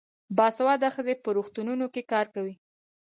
باسواده ښځې په روغتونونو کې کار کوي.